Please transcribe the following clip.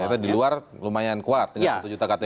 katanya di luar lumayan kuat dengan satu juta ktp